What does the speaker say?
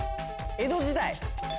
江戸時代。